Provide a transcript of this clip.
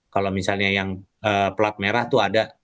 kalau misalnya yang pelat merah tuh ada